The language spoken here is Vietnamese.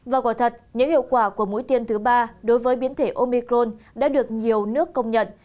và quả thật những hiệu quả của mũi tiên thứ ba đối với biến thể omicron đã được nhiều nước công nhận